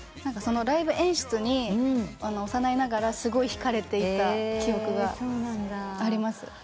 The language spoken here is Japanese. ライブ演出に幼いながらすごい引かれていた記憶があります。